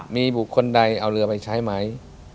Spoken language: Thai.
มีบุคคลใดเอาเรือไปใช้ไหม